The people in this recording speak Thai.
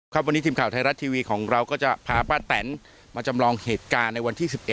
ครับวันนี้ทีมข่าวไทยรัฐทีวีของเราก็จะพาป้าแตนมาจำลองเหตุการณ์ในวันที่๑๑